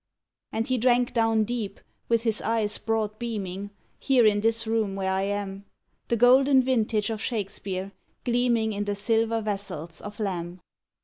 And he drank down deep, with his eyes broad beaming, Here in this room where I am, The golden vintage of Shakespeare, gleaming In the silver vessels of Lamb.